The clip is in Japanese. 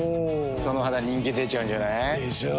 その肌人気出ちゃうんじゃない？でしょう。